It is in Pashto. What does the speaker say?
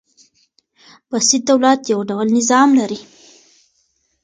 بسیط دولت يو ډول نظام لري.